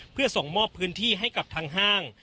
เพื่อส่งมอบพื้นที่ให้กับทางห้าง